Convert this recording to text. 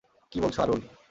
কি বলছ, আরুল?